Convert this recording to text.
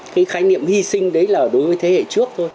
cái khái niệm hy sinh đấy là đối với thế hệ trước thôi